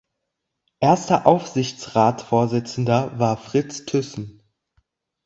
Erster Aufsichtsratsvorsitzender war Fritz Thyssen.